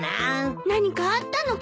何かあったのかしら。